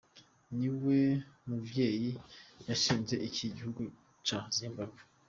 Ni we muvyeyi yashinze iki gihugu ca Zimbabwe.